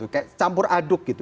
kayak campur aduk gitu